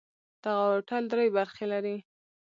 دغه هوټل درې برخې لري.